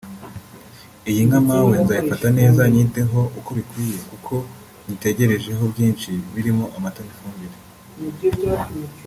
Iyi nka mpawe nzayifata neza nyiteho uko bikwiye kuko nyitegerejeho byinshi birimo amata n’ifumbire